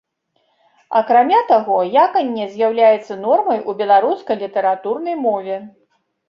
Акрамя таго, яканне з'яўляецца нормай у беларускай літаратурнай мове.